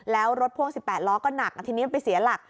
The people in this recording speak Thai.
แล้วรถพ่วง๑๘ล้อก็หนักทีนี้มันไปเสียหลัก